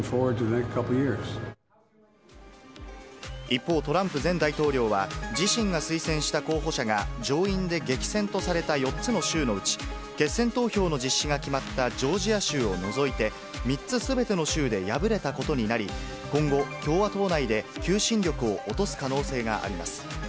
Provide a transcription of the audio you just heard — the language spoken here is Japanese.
一方、トランプ前大統領は、自身が推薦した候補者が上院で激戦とされた４つの州のうち、決選投票の実施が決まったジョージア州を除いて、３つすべての州で敗れたことになり、今後、共和党内で求心力を落とす可能性があります。